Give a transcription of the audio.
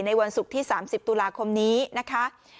วันศุกร์ที่๓๐ตุลาคมนี้นะคะ